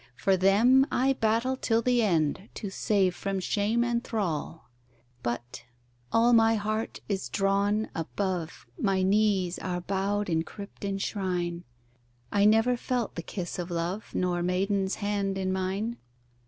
For them I battle till the end, To save from shame and thrall: But all my heart is drawn above, My knees are bow'd in crypt and shrine: I never felt the kiss of love, Nor maiden's hand in mine.